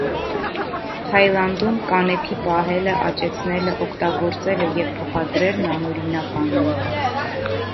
Թաիլանդում կանեփի պահելը, աճեցնելը, օգտագործելը և փոխադրելն անօրինական են։